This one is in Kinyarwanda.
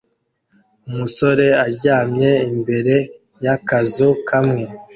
Umusore aryamye imbere y'akazu kamwe